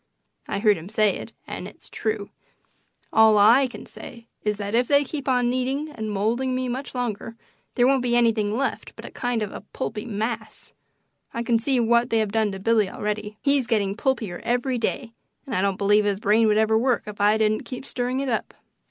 I heard him say it and it's true. All I can say is that if they keep on kneading and moulding me much longer there won't be anything left but a kind of a pulpy mass. I can see what they have done to Billy already; he's getting pulpier every day, and I don't believe his brain would ever work if I didn't keep stirring it up.